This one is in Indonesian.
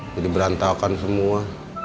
jadi berantakan semua